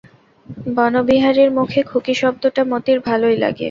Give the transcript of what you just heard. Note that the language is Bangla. বনবিহারীর মুখে খুকি শব্দটা মতির ভালোই লাগে।